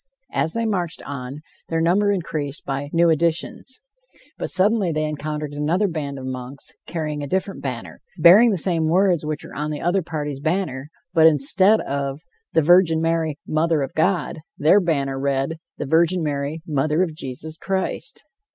As they marched on, their number increased by new additions. But suddenly they encountered another band of monks, carrying a different banner, bearing the same words which were on the other party's banner, but instead of "The Virgin Mary, Mother of God," their banner read: "The Virgin Mary, Mother of Jesus Christ."